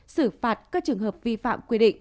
sử phạt các trường hợp vi phạm quy định